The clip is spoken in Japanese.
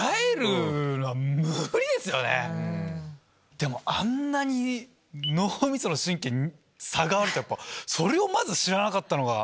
でもあんな脳みその神経に差があるってそれをまず知らなかったのが。